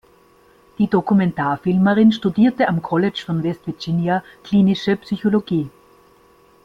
Die Dokumentarfilmerin studierte am College von West Virginia Klinische Psychologie.